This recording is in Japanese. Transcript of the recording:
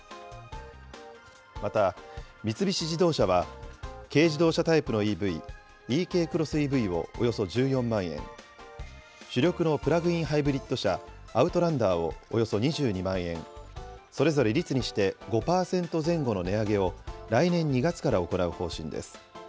また、三菱自動車は、軽自動車タイプのＥＶ、ｅＫクロスＥＶをおよそ１４万円、主力のプラグインハイブリッド車、アウトランダーをおよそ２２万円、それぞれ率にして５％前後の値上げを、来年２月から行う方針です。